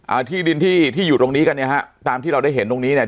อ่าที่ดินที่ที่อยู่ตรงนี้กันเนี่ยฮะตามที่เราได้เห็นตรงนี้เนี่ย